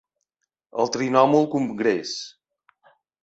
El Trinomul Congress.